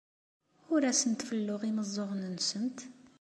Ur asent-felluɣ imeẓẓuɣen-nsent.